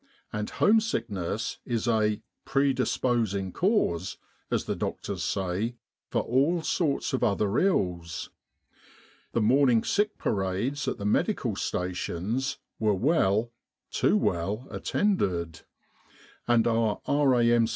And home sickness is a <( pre disposing cause,*' as the doctors say, for all sorts of other ills. The morning sick parades at the medical stations were well, too well, attended; and ouf R.A.M.